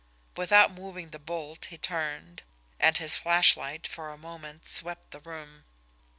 Without moving the bolt, he turned and his flashlight for a moment swept the room.